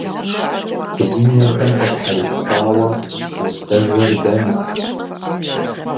Уи нэхэм къыщхьэрипхъуауэ, уздэжэр дэнэ?